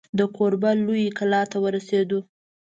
د کوربه لویې کلا ته ورسېدو.